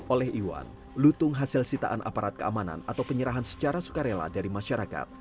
oleh iwan lutung hasil sitaan aparat keamanan atau penyerahan secara sukarela dari masyarakat